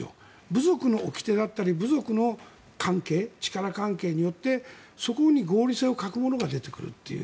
部族の掟だったり部族の関係、力関係によってそこに合理性を欠くものが出てくるという。